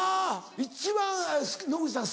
一番野口さん